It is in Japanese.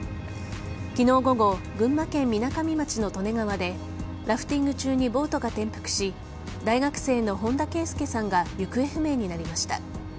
昨日午後群馬県みなかみ町の利根川でラフティング中にボートが転覆し大学生の本田啓祐さんが行方不明になりました。